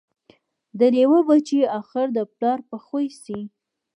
د لېوه بچی آخر د پلار په خوی سي